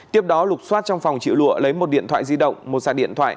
tiếp đó lục xoát trong phòng triệu lụa lấy một điện thoại di động một sạc điện thoại